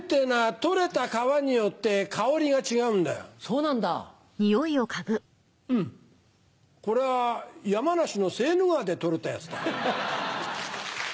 うんこれは山梨のセーヌ川で取れたやつだ。